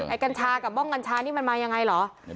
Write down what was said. กัญชากับบ้องกัญชานี่มันมายังไงเหรอ